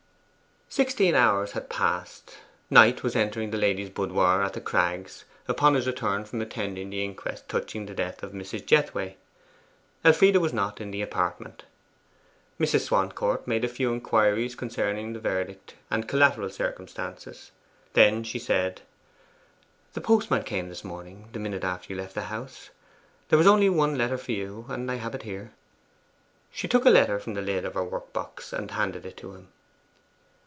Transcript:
Sixteen hours had passed. Knight was entering the ladies' boudoir at The Crags, upon his return from attending the inquest touching the death of Mrs. Jethway. Elfride was not in the apartment. Mrs. Swancourt made a few inquiries concerning the verdict and collateral circumstances. Then she said 'The postman came this morning the minute after you left the house. There was only one letter for you, and I have it here.' She took a letter from the lid of her workbox, and handed it to him.